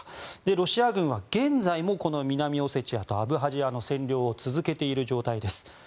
ロシア軍は現在も南オセチアとアブハジアの占領を続けている状態です。